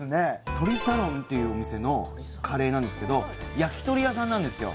ＴＯＲＩ＋ＳＡＬＯＮっていうお店のカレーなんですけど焼き鳥屋さんなんですよ